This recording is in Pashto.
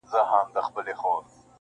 آذان پردی- چړي پردی وي خپل مُلا نه لري-